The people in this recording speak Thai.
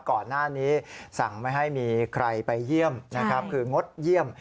ก่อนหน้านี้สั่งไม่ให้มีใครไปเยี่ยมนะครับคืองดเยี่ยม